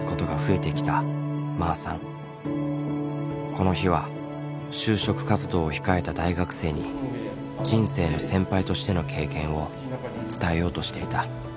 この日は就職活動を控えた大学生に人生の先輩としての経験を伝えようとしていた。